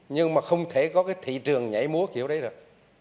nhưng mà không thể có cái thị trường nhảy múa kiểu đấy được